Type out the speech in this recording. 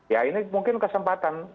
ya ini mungkin kesempatan